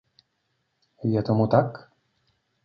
Je tomu tak?